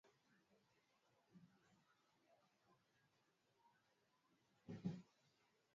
Utekelezaji hautawezekana bila ya kuwa na bandari za kisasa